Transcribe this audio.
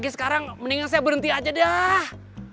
sekarang mendingan saya berhenti aja deh